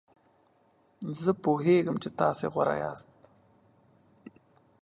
زه پوهیږم چې تاسو غوره یاست.